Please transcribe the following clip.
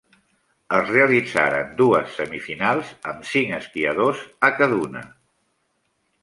Es realitzaren dues semifinals amb cinc esquiadores en cada una.